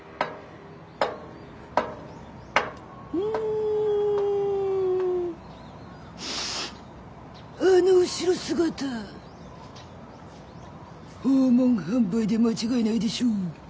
んあの後ろ姿訪問販売で間違いないでしょ。